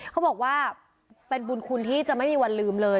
เขาบอกว่าเป็นบุญคุณที่จะไม่มีวันลืมเลย